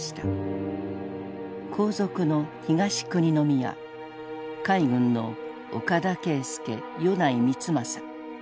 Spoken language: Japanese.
皇族の東久邇宮海軍の岡田啓介米内光政。